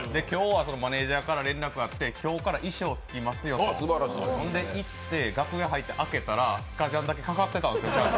マネージャーから電話が来て今日から衣装つきますよといって、楽屋行って、開けたらスカジャンだけかかってたんですよ。